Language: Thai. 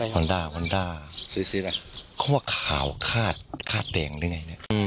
ฮอนด้าฮอนด้าสีอะไรเขาว่าข่าวข้าดข้าดแต่งหรือไงอืม